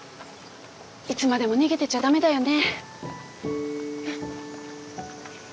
いつまでも逃げてちゃだめだよね。